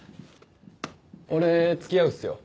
俺付き合うっすよ。